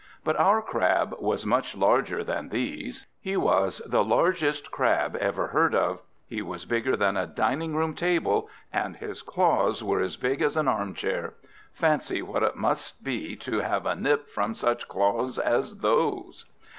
But our Crab was much larger than these; he was the largest Crab ever heard of; he was bigger than a dining room table, and his claws were as big as an armchair. Fancy what it must be to have a nip from such claws as those!